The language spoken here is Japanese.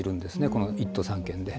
この１都３県で。